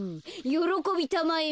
よろこびたまえ